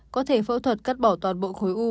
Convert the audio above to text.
có thể phẫu thuật cắt bỏ toàn bộ khối u